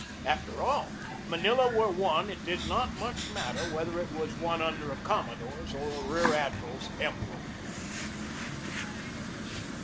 After all, if Manila were won it did not much matter whether it were won under a commodore's or a rear admiral's emblem.